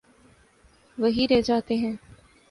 وہی رہ جاتے ہیں۔